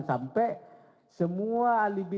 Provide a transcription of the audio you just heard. sampai semua alibi